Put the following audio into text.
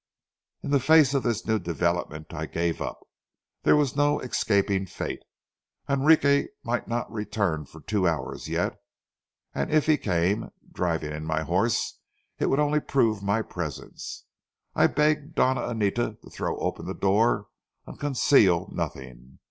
In the face of this new development, I gave up. There was no escaping fate. Enrique might not return for two hours yet, and if he came, driving in my horse, it would only prove my presence. I begged Doña Anita to throw open the door and conceal nothing.